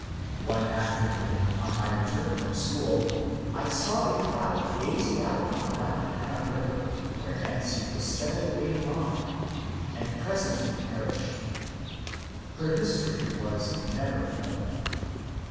One after noon, on my return from school, I saw a crowd gazing out on the Rappahannock River, where Nancy was steadily wading on, and presently perished. Her history was never known.